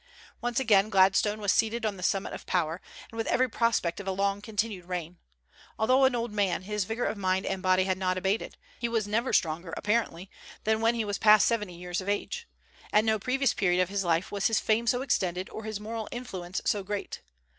Once again Gladstone was seated on the summit of power, and with every prospect of a long continued reign. Although an old man, his vigor of mind and body had not abated. He was never stronger, apparently, than when he was past seventy years of age. At no previous period of his life was his fame so extended or his moral influence so great.